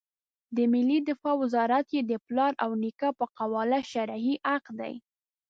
د ملي دفاع وزارت یې د پلار او نیکه په قواله شرعي حق دی.